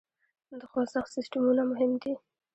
د خوزښت سیسټمونه مهم دي.